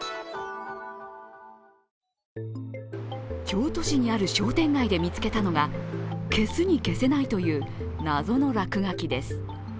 京都市にある商店街で見つけたのが、消すに消せないという謎の落書きです。